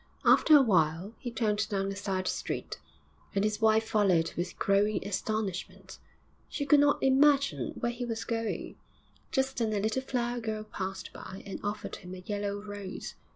After a while he turned down a side street, and his wife followed with growing astonishment; she could not imagine where he was going. Just then a little flower girl passed by and offered him a yellow rose.